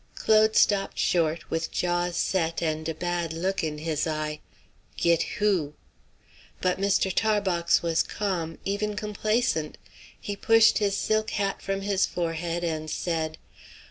Claude stopped short, with jaws set and a bad look in his eye. "Git who?" But Mr. Tarbox was calm even complacent. He pushed his silk hat from his forehead, and said